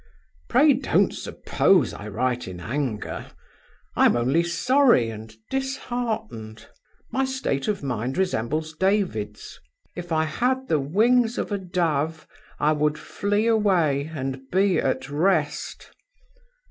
"Pray don't suppose I write in anger; I am only sorry and disheartened. My state of mind resembles David's. If I had the wings of a dove, I would flee away and be at rest.